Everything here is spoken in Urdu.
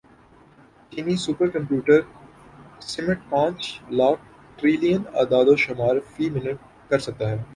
چینی سپر کمپیوٹر سمٹ پانچ لاکھ ٹریلین اعدادوشمار فی منٹ کر سکتا ہے